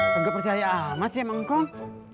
kagak percaya amat sih emang kong